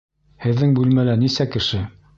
Һеҙҙең бүлмәлә нисә кеше?